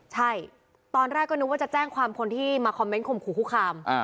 ใช่ตอนแรกก็นึกว่าจะแจ้งความคนที่มาคอมเมนต์ข่มขู่คุกคาม